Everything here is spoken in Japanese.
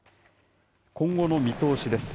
今後の見通しです。